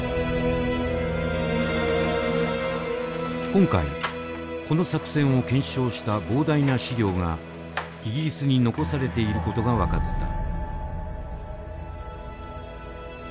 今回この作戦を検証した膨大な資料がイギリスに残されている事が分かった。